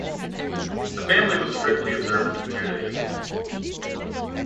The family was strictly observant of Judaism.